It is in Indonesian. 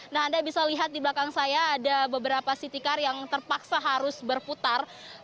nah anda bisa lihat di belakang saya ada beberapa city car yang terpaksa harus berputar